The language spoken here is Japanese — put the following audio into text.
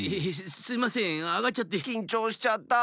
すいませんあがっちゃって。